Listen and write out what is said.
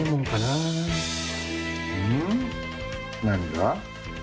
何が？」